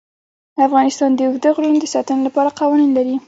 افغانستان د اوږده غرونه د ساتنې لپاره قوانین لري.